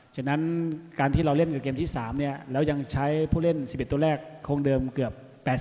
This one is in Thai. ฉะนั้นการที่เราเล่นกับเกมที่๓แล้วยังใช้ผู้เล่น๑๑ตัวแรกคงเดิมเกือบ๘๐